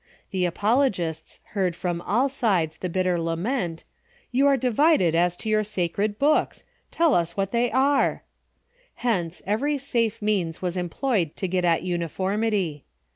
The apologists heard from all sides the bitter lament, " You are divided as to your sacred books! Tell us what they are!" Hence, every safe means was employed to get at uniformity.